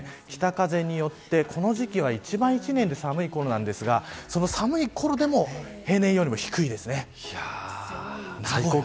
北風によって、この時期は一番一年で寒いころですがその寒いころでも平年より低いです。